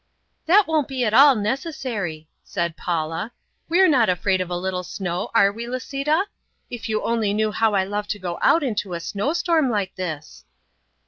"That won't be at all necessary," said Paula, "We're not afraid of a little snow; are we, Lisita? If you only knew how I love to go out into a snowstorm like this!"